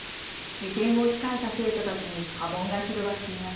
受験を控えた生徒たちに波紋が広がっています。